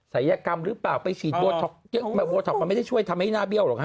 ัยกรรมหรือเปล่าไปฉีดโบท็อกโบท็อกมันไม่ได้ช่วยทำให้หน้าเบี้ยหรอกฮ